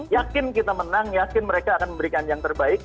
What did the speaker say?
yakin kita menang yakin mereka akan memberikan yang terbaik